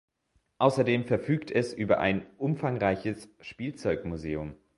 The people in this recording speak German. Außerdem verfügt es über ein umfangreiches Spielzeugmuseum.